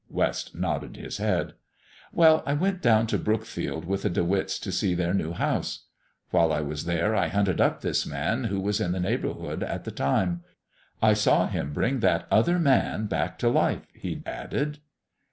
(West nodded his head.) Well, I went down to Brookfield with the De Witts to see their new house. While I was there I hunted up this Man, who was in the neighborhood at the time. I saw Him bring that other man back to life," he added.